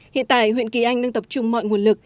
hiện tại huyện kỳ anh đang tập trung mọi nguồn lực